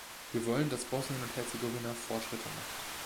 Wir wollen, dass Bosnien und Herzegowina Fortschritte macht.